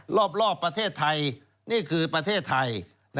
รอบประเทศไทยนี่คือประเทศไทย